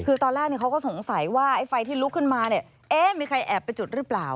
คือตอนแรกเขาก็สงสัยว่าไอ้ไฟที่ลุกขึ้นมาเนี่ยเอ๊ะมีใครแอบไปจุดหรือเปล่า